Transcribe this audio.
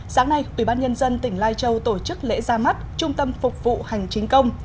sáng nay ubnd tỉnh lai châu tổ chức lễ ra mắt trung tâm phục vụ hành chính công